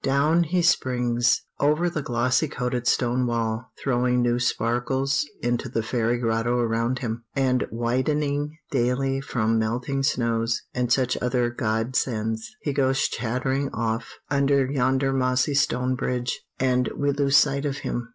Down he springs! over the glossy coated stone wall, throwing new sparkles into the fairy grotto around him; and widening daily from melting snows, and such other godsends, he goes chattering off under yonder mossy stone bridge, and we lose sight of him.